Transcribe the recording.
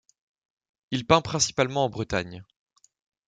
Il peint principalement en Bretagne.